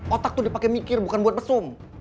otak tuh dipake mikir bukan buat pesum